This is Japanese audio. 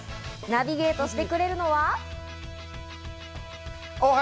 ナビゲートしてくれるのは。